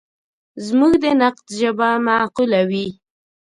زموږ د نقد ژبه معقوله وي.